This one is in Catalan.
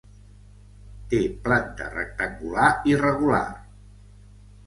Té planta rectangular irregular.